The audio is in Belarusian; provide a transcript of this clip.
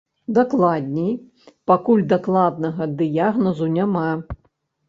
Дакладней, пакуль дакладнага дыягназу няма.